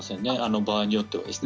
場合によっては。